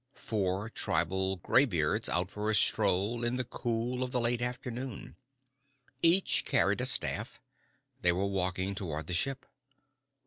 Four tribal gray beards out for a stroll in the cool of the late afternoon. Each carried a staff. They were walking toward the ship.